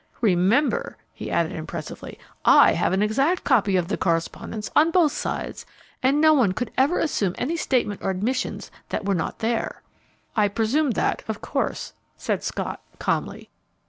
Remember," he added, impressively, "I have an exact copy of the correspondence on both sides, and no one could ever assume any statement or admissions that were not there." "I presumed that, of course," said Scott, calmly.